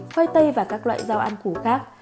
bảy khoai tây và các loại rau ăn khủ khác